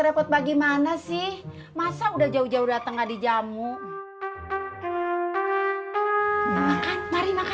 repot bagaimana sih masa udah jauh jauh tengah dijamu jamu tolong makan tadi makan